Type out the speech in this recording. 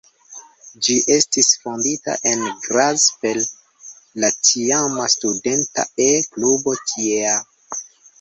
Ĝi estis fondita en Graz per la tiama studenta E-klubo tiea.